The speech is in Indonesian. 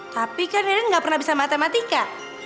tapi kan darren gak pernah bisa matematika